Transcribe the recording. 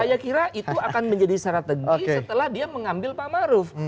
saya kira itu akan menjadi strategi setelah dia mengambil pak maruf